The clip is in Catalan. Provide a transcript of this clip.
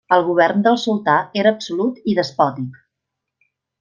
El govern del sultà era absolut i despòtic.